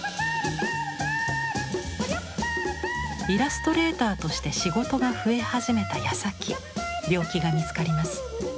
イラストレーターとして仕事が増え始めたやさき病気が見つかります。